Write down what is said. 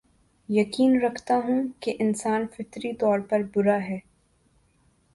یقین رکھتا ہوں کے انسان فطری طور پر برا ہے